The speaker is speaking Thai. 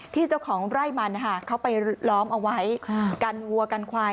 เจ้าของไร่มันเขาไปล้อมเอาไว้กันวัวกันควาย